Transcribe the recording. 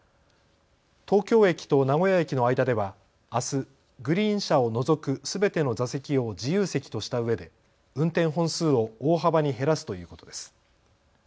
東京駅と名古屋駅の間ではあすグリーン車を除くすべての座席を自由席としたうえで運転本数を大幅に減らすということです。